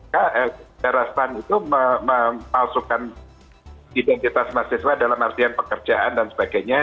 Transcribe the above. saudarisan itu memasukkan identitas mahasiswa dalam artian pekerjaan dan sebagainya